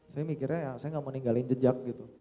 saya mikirnya saya gak mau ninggalin jejak gitu